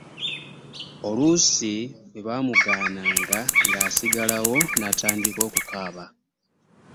Oluusi bwe baamugaananga ng'asigalawo n'atandika okukaaba